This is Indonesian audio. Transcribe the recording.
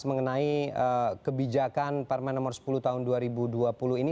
mengenai kebijakan permen nomor sepuluh tahun dua ribu dua puluh ini